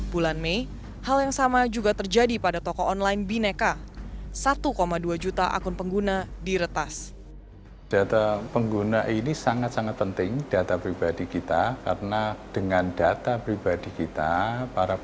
bulan mei hal yang sama juga terjadi pada toko online bineka